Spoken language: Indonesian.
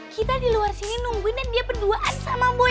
kita di luar sini nungguinnya dia berduaan sama boy